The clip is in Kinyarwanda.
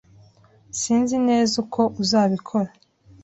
Sinzi neza uko azabikora.